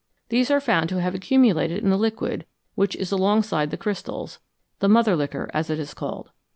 These are found to have accumulated in the liquid which is alongside the crystals the "mother liquor," as it is called.